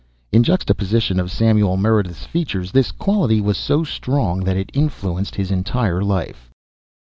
In the juxtaposition of Samuel Meredith's features this quality was so strong that it influenced his entire life.